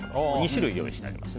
２種類を用意してあります。